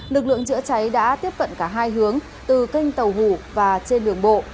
lực lượng chữa cháy đã tiếp cận cả hai hướng từ kênh tàu hủ và trên đường bộ